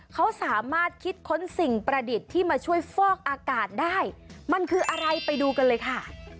เขาสามารถคิดค้นสิ่งประดิษฐ์ที่มาช่วยฟอกอากาศได้มันคืออะไรไปดูกันเลยค่ะ